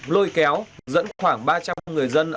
lôi kéo dẫn khoảng ba trăm linh người dân